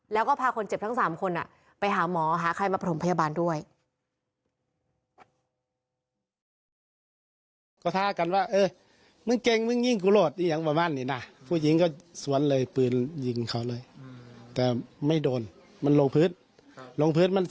แล้วก็พาคนเจ็บทั้ง๓คนไปหาหมอหาใครมาประถมพยาบาลด้วย